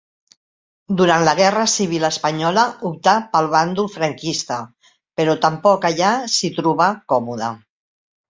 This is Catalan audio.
Durant la guerra civil espanyola optà pel bàndol franquista, però tampoc allà s'hi trobà còmode.